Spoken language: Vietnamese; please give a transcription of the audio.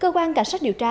cơ quan cảnh sát điều tra